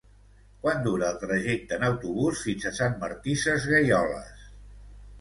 Quant dura el trajecte en autobús fins a Sant Martí Sesgueioles?